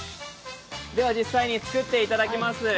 では、実際に作っていただきます。